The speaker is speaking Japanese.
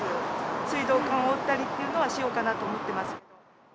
水道管を覆ったりっていうのはしようかなと思ってます。